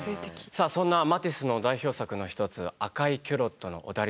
さあそんなマティスの代表作の一つ「赤いキュロットのオダリスク」。